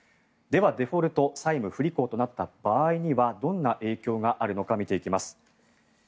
では、デフォルト債務不履行となった場合にはどんな影響があるのか見ていきます。